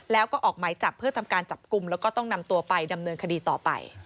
แล้วก็ออกหมายจับเพื่อทำการจับกลุ่มแล้วก็ต้องนำตัวไปดำเนินคดีต่อไป